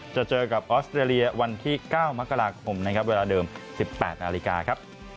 จะเจอกับออสเตรเลียวันที่๙มกราคมนะครับเวลาเดิม๑๘นาฬิกาครับ